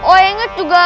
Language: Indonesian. oh ya enggak juga